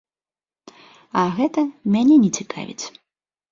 А гэта мяне не цікавіць.